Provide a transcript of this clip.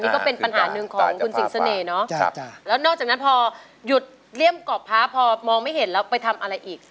คุณสิงสะเนยเนอะแล้วนอกจากนั้นพอหยุดเลี่ยงกรอกพ้าพอมองไม่เห็นแล้วไปทำอะไรอีก